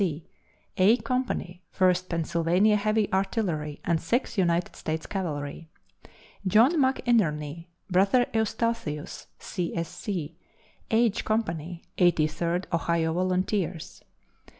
S. C.), A Company, First Pennsylvania Heavy Artillery and Sixth United States Cavalry. John McInerny (Brother Eustathius, C. S. C.), H Company, Eighty third Ohio Volunteers.